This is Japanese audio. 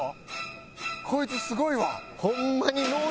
こいつすごいわ。